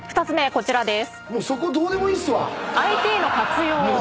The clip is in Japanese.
こちらです。